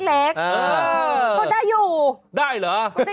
ก็ได้อยู่ก็ได้อยู่ได้เหรอ